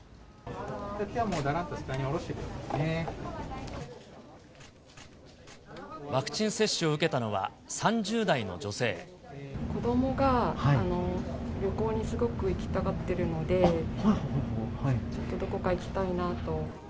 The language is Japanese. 手はもうだらんと下に下ろしワクチン接種を受けたのは子どもが旅行にすごく行きたがってるので、ちょっとどこか行きたいなと。